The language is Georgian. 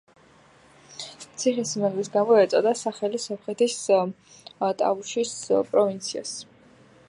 ციხესიმაგრის გამო ეწოდა სახელი სომხეთის ტავუშის პროვინციას.